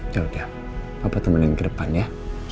ya udah papa temenin ke depan ya